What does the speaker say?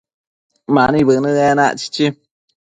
Mani bënë enac, chichi